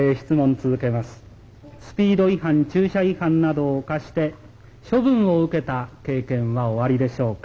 スピード違反駐車違反などを犯して処分を受けた経験はおありでしょうか。